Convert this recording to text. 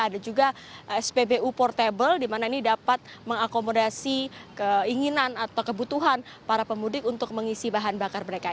ada juga spbu portable di mana ini dapat mengakomodasi keinginan atau kebutuhan para pemudik untuk mengisi bahan bakar mereka